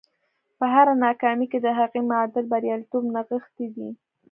په هره ناکامي کې د هغې معادل برياليتوب نغښتی دی.